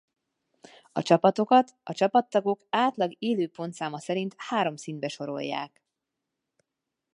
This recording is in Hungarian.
A csapatokat a csapattagok átlag-Élő-pontszáma szerint három szintbe sorolják.